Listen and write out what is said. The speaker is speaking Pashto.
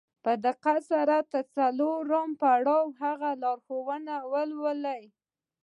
په دقت سره تر څلورم پړاوه د هغې لارښوونې ولولئ.